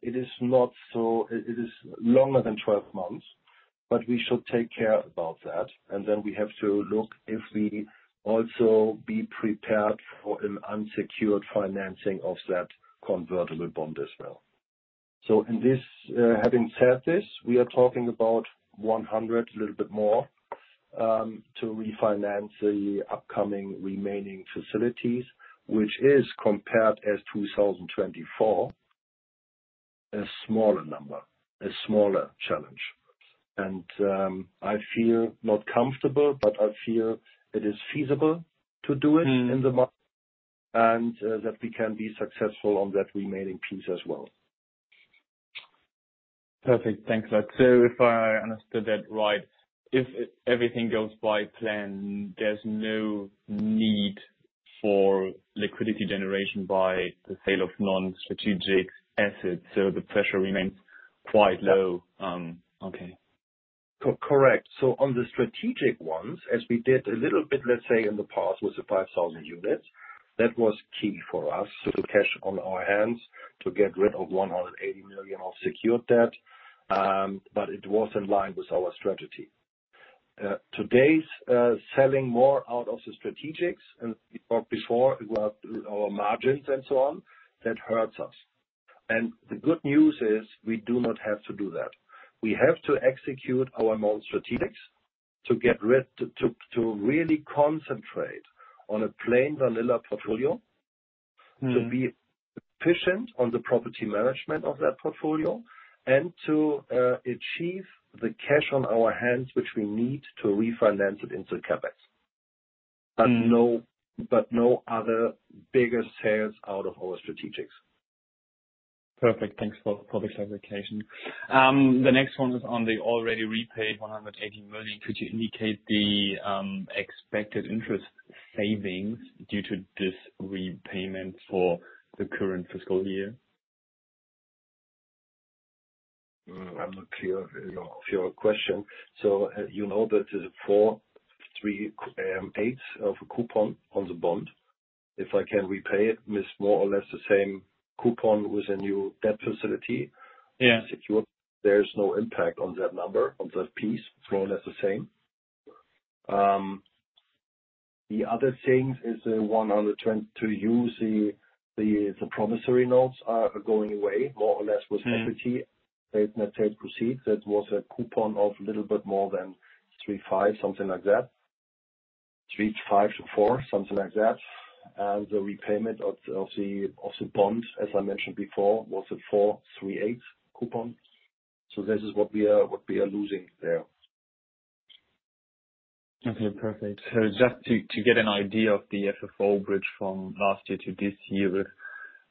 It is not, so it is longer than 12 months, but we should take care about that. Then we have to look if we also be prepared for an unsecured financing of that convertible bond as well. Having said this, we are talking about 100 million, a little bit more, to refinance the upcoming remaining facilities, which is compared as 2024, a smaller number, a smaller challenge. I feel not comfortable, but I feel it is feasible to do it in the market and that we can be successful on that remaining piece as well. Perfect. Thanks for that. If I understood that right, if everything goes by plan, there is no need for liquidity generation by the sale of non-strategic assets. The pressure remains quite low. Okay. Correct. On the strategic ones, as we did a little bit, let's say, in the past with the 5,000 units, that was key for us to cash on our hands to get rid of 180 million of secured debt. It was in line with our strategy. Today's selling more out of the strategics and what we talked before about our margins and so on, that hurts us. The good news is we do not have to do that. We have to execute our non-strategics to get rid to really concentrate on a plain vanilla portfolio, to be efficient on the property management of that portfolio, and to achieve the cash on our hands, which we need to refinance it into CapEx. No other bigger sales out of our strategics. Perfect. Thanks for the clarification. The next one is on the already repaid 180 million. Could you indicate the expected interest savings due to this repayment for the current fiscal year? I'm not clear of your question. You know that there's a 4.38% coupon on the bond. If I can repay it, it's more or less the same coupon with a new debt facility secured, there's no impact on that number, on that piece, more or less the same. The other thing is the 120 million to use, the promissory notes are going away more or less with equity. Let's say it proceeds. That was a coupon of a little bit more than 3.5%, something like that. 3.5% to 4%, something like that. The repayment of the bond, as I mentioned before, was a 4.38% coupon. This is what we are losing there. Okay. Perfect. Just to get an idea of the FFO bridge from last year to this year,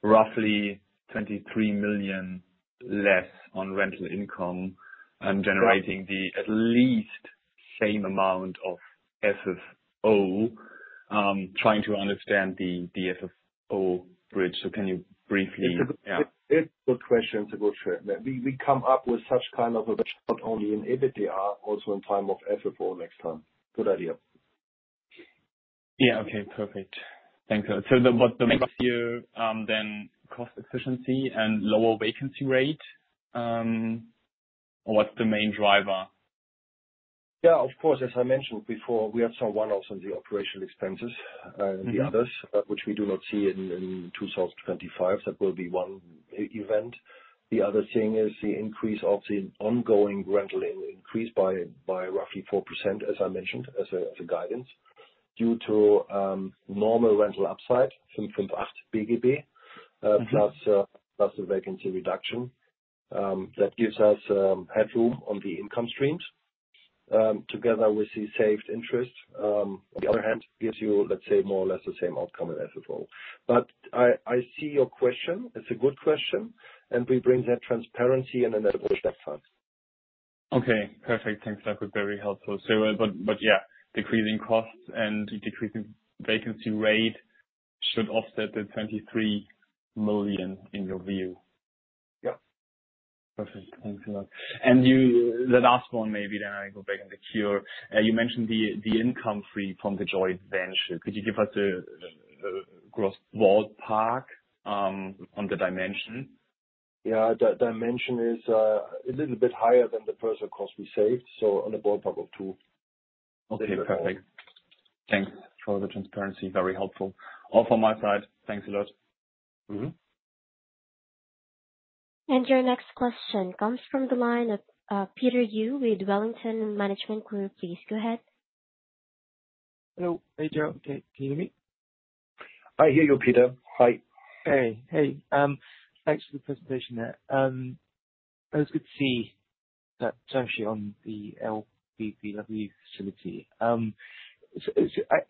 roughly 23 million less on rental income and generating at least the same amount of FFO, trying to understand the FFO bridge. Can you briefly? It's a good question. It's a good question. We come up with such kind of a bridge not only in EBITDA, also in time of FFO next time. Good idea. Yeah. Okay. Perfect. Thanks. What is the main issue then, cost efficiency and lower vacancy rate? What's the main driver? Yeah, of course. As I mentioned before, we have some one-offs on the operational expenses, the others, which we do not see in 2025. That will be one event. The other thing is the increase of the ongoing rental increase by roughly 4%, as I mentioned, as a guidance due to normal rental upside from 558 BGB plus the vacancy reduction. That gives us headroom on the income streams together with the saved interest. On the other hand, it gives you, let's say, more or less the same outcome in FFO. I see your question. It's a good question. We bring that transparency and another push that time. Okay. Perfect. Thanks. That would be very helpful. Yeah, decreasing costs and decreasing vacancy rate should offset the 23 million in your view. Yeah. Perfect. Thanks a lot. The last one maybe, then I go back on the queue. You mentioned the income fee from the joint venture. Could you give us a gross ballpark on the dimension? Yeah. Dimension is a little bit higher than the personnel cost we saved. So on the ballpark of two. Okay. Perfect. Thanks for the transparency. Very helpful. All from my side. Thanks a lot. Your next question comes from the line of Peter Yu with Wellington Management Group. Please go ahead. Hello. Hey, Gerald. Can you hear me? I hear you, Peter. Hi. Hey. Hey. Thanks for the presentation there. It was good to see that term sheet on the LBBW facility. I do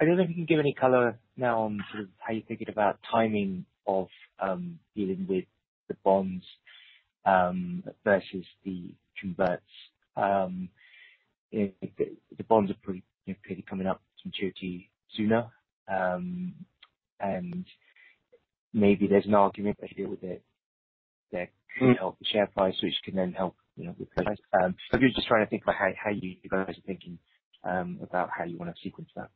not know if you can give any color now on sort of how you are thinking about timing of dealing with the bonds versus the converts. The bonds are pretty coming up to maturity sooner. Maybe there is an argument to deal with it that could help the share price, which can then help with the price. I'm just trying to think about how you guys are thinking about how you want to sequence that.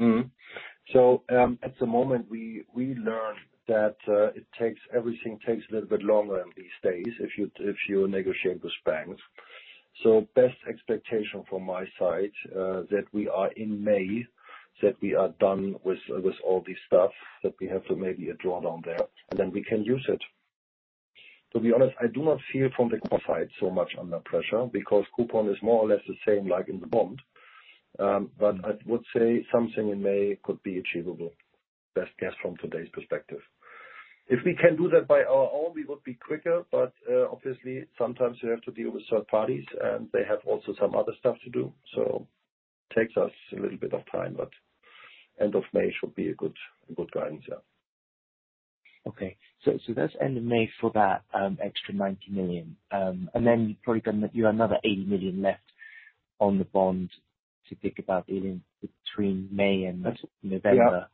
At the moment, we learned that everything takes a little bit longer these days if you negotiate with banks. Best expectation from my side is that we are in May, that we are done with all this stuff, that we have to maybe draw down there, and then we can use it. To be honest, I do not feel from the coupon side so much under pressure because coupon is more or less the same like in the bond. I would say something in May could be achievable, best guess from today's perspective. If we can do that by our own, we would be quicker. Obviously, sometimes you have to deal with third parties, and they have also some other stuff to do. It takes us a little bit of time, but end of May should be a good guidance, yeah. Okay. That is end of May for that extra 90 million. Then you have probably got another 80 million left on the bond to think about dealing between May and November.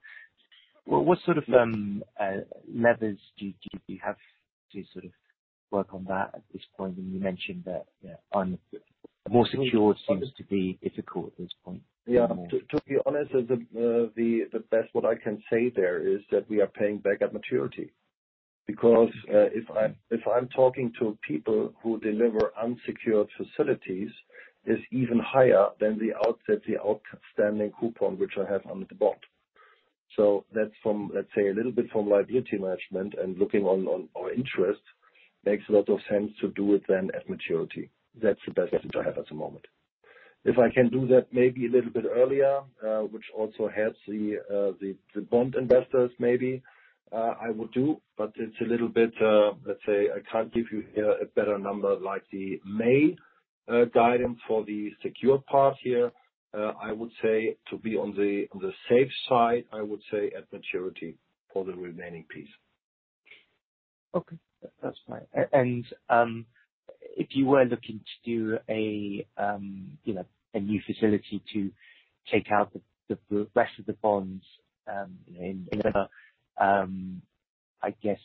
What sort of levers do you have to work on that at this point? You mentioned that more secured seems to be difficult at this point. Yeah. To be honest, the best what I can say there is that we are paying back at maturity. Because if I am talking to people who deliver unsecured facilities, it is even higher than the outstanding coupon which I have under the bond. That is, let us say, a little bit from liability management and looking on our interest, makes a lot of sense to do it then at maturity. That's the best thing to have at the moment. If I can do that maybe a little bit earlier, which also helps the bond investors maybe, I would do. It's a little bit, let's say, I can't give you here a better number like the May guidance for the secured part here. I would say to be on the safe side, I would say at maturity for the remaining piece. Okay. That's fine. If you were looking to do a new facility to take out the rest of the bonds in November, I guess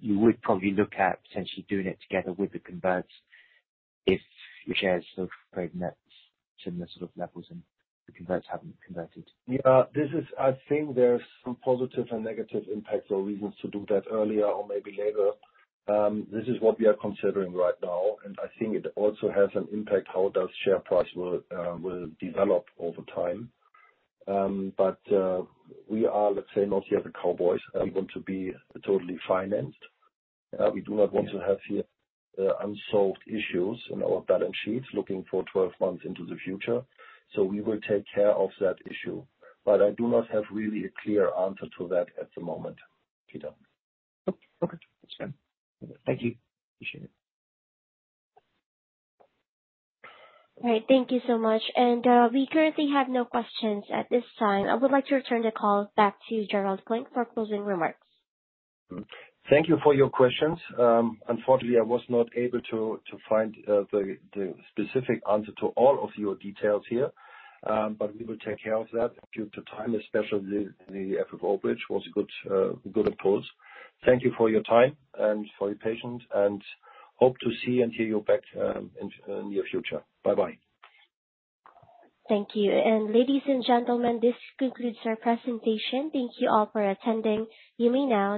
you would probably look at potentially doing it together with the converts if your shares are trading at similar sort of levels and the converts haven't converted. Yeah. I think there's some positive and negative impacts or reasons to do that earlier or maybe later. This is what we are considering right now. I think it also has an impact how the share price will develop over time. We are, let's say, not yet the cowboys. We want to be totally financed. We do not want to have here unsolved issues in our balance sheets looking for 12 months into the future. We will take care of that issue. I do not have really a clear answer to that at the moment, Peter. Okay. That's fine. Thank you. Appreciate it. All right. Thank you so much. We currently have no questions at this time. I would like to return the call back to Gerald Klinck for closing remarks. Thank you for your questions. Unfortunately, I was not able to find the specific answer to all of your details here. We will take care of that in future time, especially the FFO bridge was a good impulse. Thank you for your time and for your patience. Hope to see and hear you back in the near future. Bye-bye. Thank you. Ladies and gentlemen, this concludes our presentation. Thank you all for attending. You may now.